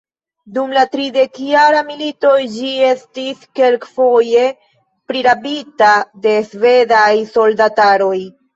Dum la tridekjara milito ĝi estis kelkfoje prirabita de svedaj soldataroj.